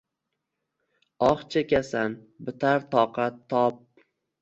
Oh chekasan, bitar toqat-tob